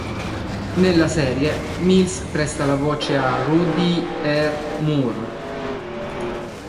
Nella serie, Mills presta la voce a Rudy R. Moore.